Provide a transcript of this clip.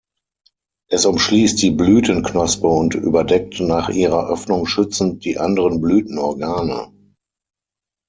Es umschließt die Blütenknospe und überdeckt nach ihrer Öffnung schützend die anderen Blütenorgane.